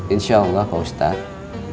insya allah pak ustadz